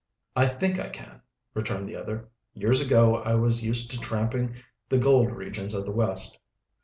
"I think I can," returned the other. "Years ago I was used to tramping the gold regions of the West."